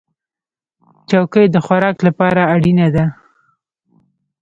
چوکۍ د خوراک لپاره اړینه ده.